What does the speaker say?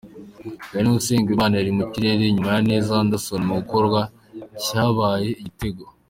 Danny Usengimana yari mu kirere inyuma ya Neza Anderson mu gikorwa cyabyaye igitego.